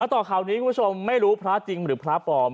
ต่อข่าวนี้คุณผู้ชมไม่รู้พระจริงหรือพระปลอม